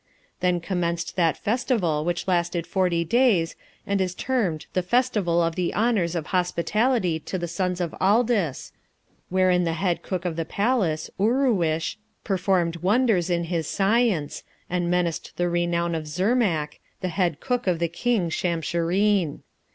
Then commenced that festival which lasted forty days, and is termed the Festival of the honours of hospitality to the Sons of Aldis, wherein the head cook of the palace, Uruish, performed wonders in his science, and menaced the renown of Zrmack, the head cook of King Shamshureen.